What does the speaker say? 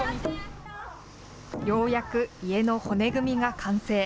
ようやく家の骨組みが完成。